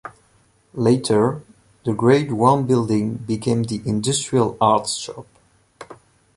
Later, the grade one building became the industrial Arts shop.